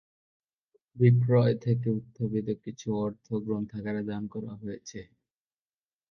বিক্রয় থেকে উত্থাপিত কিছু অর্থ গ্রন্থাগারে দান করা হয়েছে।